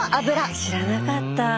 へえ知らなかった。